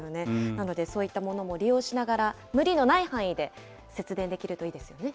なので、そういったものも利用しながら、無理のない範囲で節電できるといいですよね。